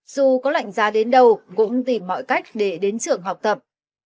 dù có lạnh ra đến đâu cũng tìm mọi cách để đến trường học tập